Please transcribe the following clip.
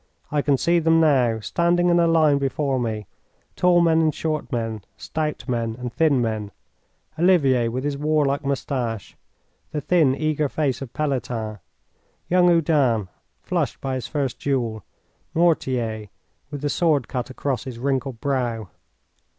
I can see them now, standing in a line before me, tall men and short men, stout men and thin men: Olivier, with his warlike moustache; the thin, eager face of Pelletan; young Oudin, flushed by his first duel; Mortier, with the sword cut across his wrinkled brow.